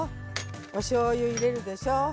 おしょうゆ入れるでしょ。